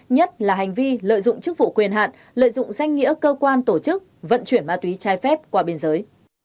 nhất là hành vi lợi dụng chức vụ quyền hạn lợi dụng danh nghĩa cơ quan tổ chức vận chuyển ma túy trái phép qua biên giới